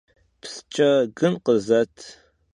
Psçe gın khızet.